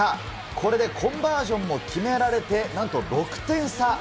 これでコンバージョンも決められて、なんと６点差。